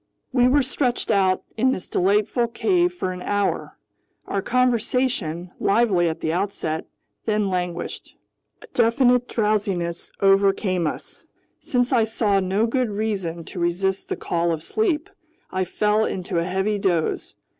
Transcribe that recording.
We were stretched out in this delightful cave for an hour. Our conversation, lively at the outset, then languished. A definite drowsiness overcame us. Since I saw no good reason to resist the call of sleep, I fell into a heavy doze.